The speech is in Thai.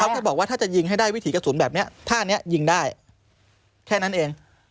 แค่บอกว่าถ้าจะยิงให้ได้วิถีกระสุนแบบนี้ท่านี้ยิงได้แค่นั้นเอง